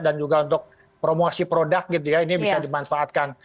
dan juga untuk promosi produk gitu ya ini bisa dimanfaatkan